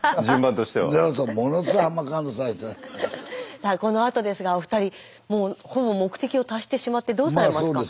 さあこのあとですがお二人ほぼ目的を達してしまってどうされますか？